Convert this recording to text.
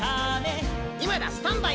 「いまだ！スタンバイ！